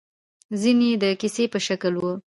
ځينې يې د کيسې په شکل وو.